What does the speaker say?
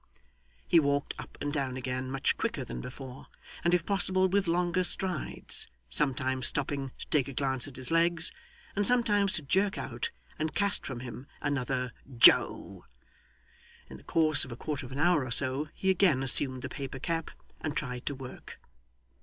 He walked up and down again much quicker than before, and if possible with longer strides; sometimes stopping to take a glance at his legs, and sometimes to jerk out, and cast from him, another 'Joe!' In the course of a quarter of an hour or so he again assumed the paper cap and tried to work.